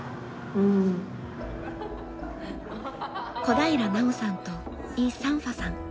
小平奈緒さんとイ・サンファさん。